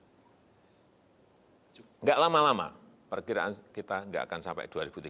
tidak lama lama perkiraan kita nggak akan sampai dua ribu tiga puluh